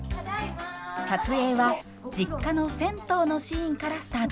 撮影は実家の銭湯のシーンからスタートしました。